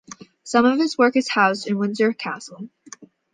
Some of his work is housed in Windsor Castle.